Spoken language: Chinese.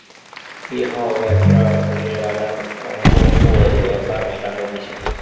利号在第二次世界大战共获得三枚战斗之星。